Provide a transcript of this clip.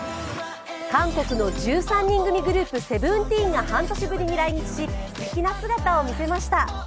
韓国の１３人組グループ、ＳＥＶＥＮＴＥＥＮが半年ぶりに来日し、すてきな姿を見せました。